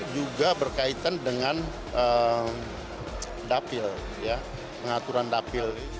juga berkaitan dengan dapil pengaturan dapil